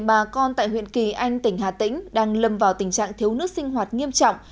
bà con tại huyện kỳ anh tỉnh hà tĩnh đang lâm vào tình trạng thiếu nước sinh hoạt nghiêm trọng